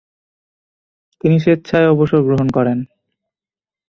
তিনি স্বেচ্ছায় অবসর গ্রহণ করেন।